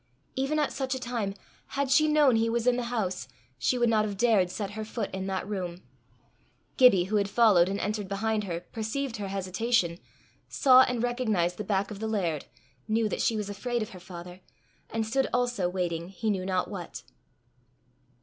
Even at such a time, had she known he was in the house, she would not have dared set her foot in that room. Gibbie, who had followed and entered behind her, preceived her hesitation, saw and recognized the back of the laird, knew that she was afraid of her father, and stood also waiting he knew not what.